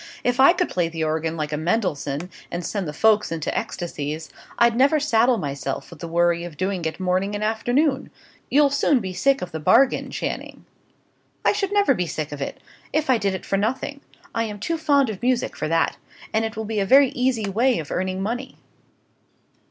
If I could play the organ like a Mendelssohn, and send the folks into ecstasies, I'd never saddle myself with the worry of doing it morning and afternoon. You'll soon be sick of the bargain, Channing." "I should never be sick of it, if I did it for nothing: I am too fond of music for that. And it will be a very easy way of earning money."